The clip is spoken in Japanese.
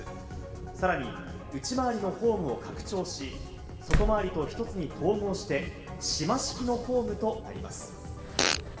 さらに内回りのホームを拡張し、外回りと一つに統合して、島式のホームとなります。